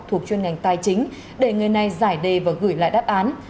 thuộc chuyên ngành tài chính để người này giải đề và gửi lại đáp án